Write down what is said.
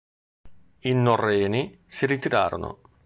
I norreni si ritirarono.